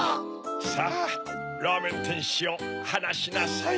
さぁらーめんてんしをはなしなさい。